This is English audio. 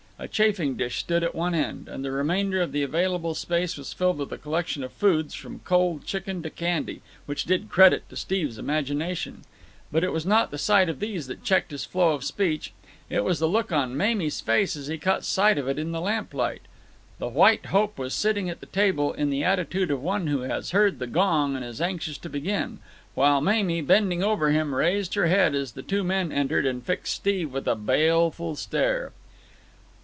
A chafing dish stood at one end, and the remainder of the available space was filled with a collection of foods, from cold chicken to candy, which did credit to Steve's imagination. But it was not the sight of these that checked his flow of speech. It was the look on Mamie's face as he caught sight of it in the lamplight. The White Hope was sitting at the table in the attitude of one who has heard the gong and is anxious to begin; while Mamie, bending over him, raised her head as the two men entered and fixed Steve with a baleful stare.